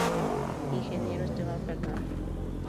Ingeniero: Esteban Fernández.